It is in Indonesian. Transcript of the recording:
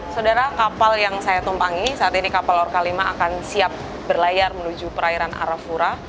saudara kapal yang saya tumpangi saat ini kapal lorka lima akan siap berlayar menuju perairan arafura